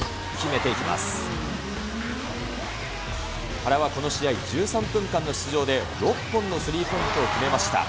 原はこの試合、１３分間の出場で、６本のスリーポイントを決めました。